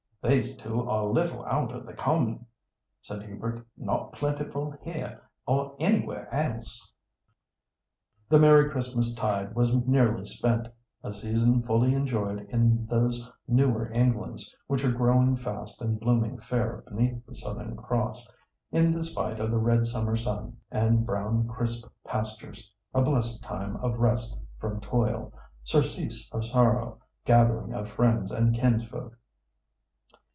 "These two are a little out of the common," said Hubert; "not plentiful here or anywhere else." The merry Christmastide was nearly spent—a season fully enjoyed in those newer Englands, which are growing fast and blooming fair beneath the Southern Cross, in despite of the red summer sun, and brown crisp pastures—a blessed time of rest from toil, "surcease of sorrow," gathering of friends and kinsfolk.